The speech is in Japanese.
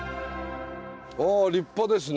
あ立派ですね。